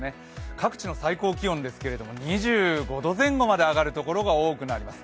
各地の最高気温ですけれども２５度前後まで上がる所が多くなります。